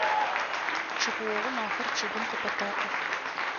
Чъэпыогъум ахэр чъыгым къыпэтэкъух.